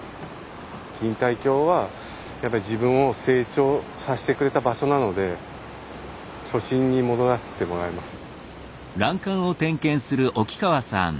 錦帯橋はやっぱり自分を成長さしてくれた場所なので初心に戻らせてもらえますね。